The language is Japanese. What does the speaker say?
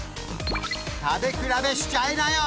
食べ比べしちゃいなよ